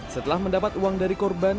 setelah mendapat uang dari korban